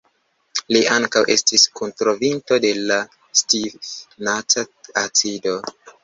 Li ankaŭ estis kuntrovinto de la "stifnata acido".